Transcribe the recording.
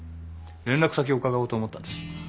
連絡先を伺おうと思ったんです。